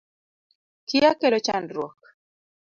Kia kelo chandruok